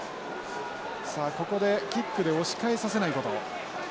さあここでキックで押し返させないこと。